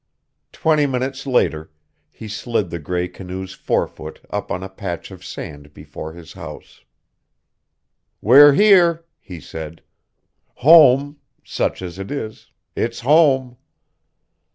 Twenty minutes later he slid the gray canoe's forefoot up on a patch of sand before his house. "We're here," he said. "Home such as it is it's home."